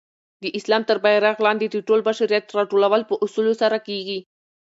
د اسلام تر بیرغ لاندي د ټول بشریت راټولول په اصولو سره کيږي.